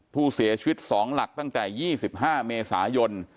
ผู้เสียชีวิต๒หลักตั้งแต่๒๕เมษายน